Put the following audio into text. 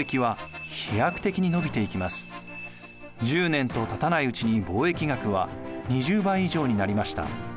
１０年とたたないうちに貿易額は２０倍以上になりました。